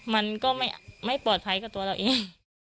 มันก็ไม่ปลอดภัยกับตัวเราเอง